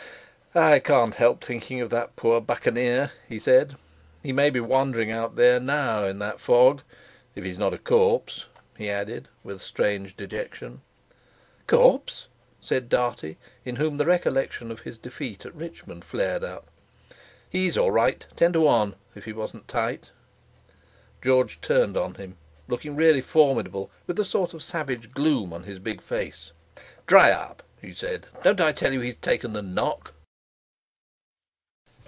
"I can't help thinking of that poor Buccaneer," he said. "He may be wandering out there now in that fog. If he's not a corpse," he added with strange dejection. "Corpse!" said Dartie, in whom the recollection of his defeat at Richmond flared up. "He's all right. Ten to one if he wasn't tight!" George turned on him, looking really formidable, with a sort of savage gloom on his big face. "Dry up!" he said. "Don't I tell you he's 'taken the knock!